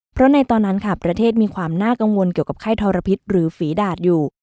เพราะในตอนนั้นค่ะประเทศมีความน่ากังวลเกี่ยวกับไข้ทรพิษหรือฝีดาดอยู่